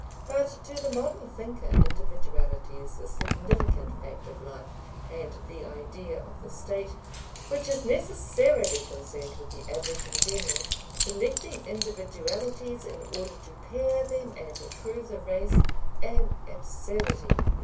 But to the modern thinker individuality is the significant fact of life, and the idea of the State, which is necessarily concerned with the average and general, selecting individualities in order to pair them and improve the race, an absurdity.